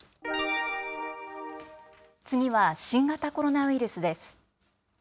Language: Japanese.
次は新型コロナウイルスです。